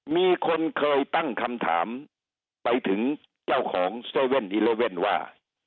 มีคนเคยตั้งคำถามไปถึงเจ้าของ๗๑๑ว่า